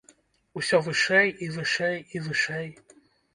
Усё вышэй, і вышэй, і вышэй!!